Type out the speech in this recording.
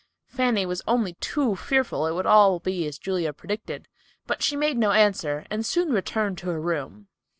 Fanny was only too fearful it would all be as Julia predicted, but she made no answer, and soon returned to her room.